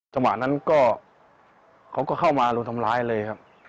สมัยนั้นเขาก็เข้ามารู้ทำร้ายเลยครับ